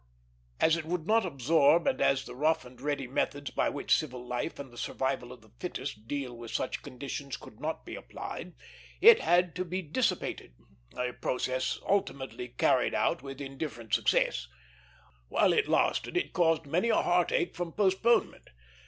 As it would not absorb, and as the rough and ready methods by which civil life and the survival of the fittest deal with such conditions could not be applied, it had to be dissipated; a process ultimately carried out with indifferent success. While it lasted it caused many a heartache from postponement.